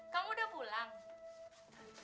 kamu udah pulang